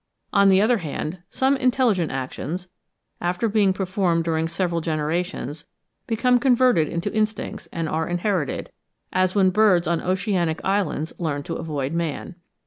On the other hand, some intelligent actions, after being performed during several generations, become converted into instincts and are inherited, as when birds on oceanic islands learn to avoid man.